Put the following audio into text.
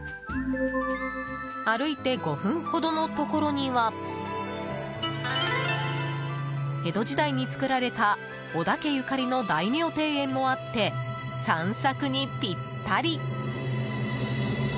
歩いて５分ほどのところには江戸時代に造られた織田家ゆかりの大名庭園もあって散策にぴったり。